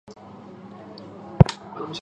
两种情况之间则会产生中间强度的条纹。